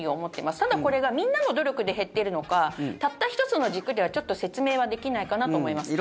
ただ、これがみんなの努力で減っているのかたった１つの軸ではちょっと説明はできないかなと思います。